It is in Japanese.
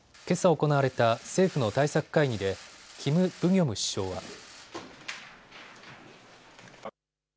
けさ行われた政府の対策会議でキム・ブギョム首相は。